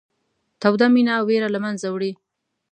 توده مینه وېره له منځه وړي.